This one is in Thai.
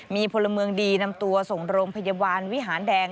มีพลเมืองดีนำตัวส่งโรงพยาบาลวิหารแดง